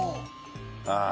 ああ。